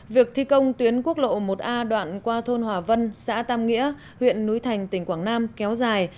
việc thi công tuyến quốc lộ một a đoạn qua thôn hòa vân xã tam nghĩa huyện núi thành tỉnh quảng nam kéo dài